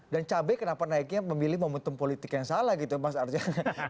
dan cabai kenapa naiknya memilih momentum politik yang salah gitu mas arjan